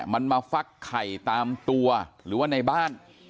มันมาฟักไข่ตามตัวหรือว่าในบ้าน